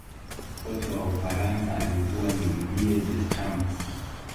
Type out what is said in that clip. kocha wa ufaransa alikuwa ni didier deschamps